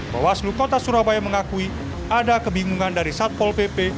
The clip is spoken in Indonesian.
bawaslu kota surabaya mengakui ada kebingungan dari satpol pp